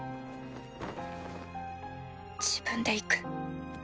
自分で行く。